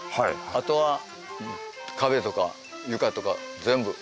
あとは壁とか床とか全部。